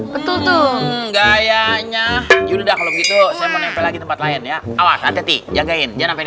betul tuh gayanya juga kalau gitu saya mau nempel lagi tempat lain ya awas hati hati jagain jangan